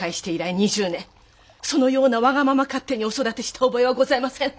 そのようなわがまま勝手にお育てした覚えはございません！